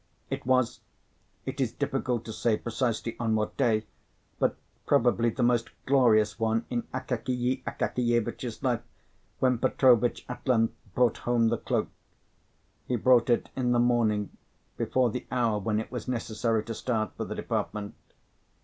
It was it is difficult to say precisely on what day, but probably the most glorious one in Akakiy Akakievitch's life, when Petrovitch at length brought home the cloak. He brought it in the morning, before the hour when it was necessary to start for the department.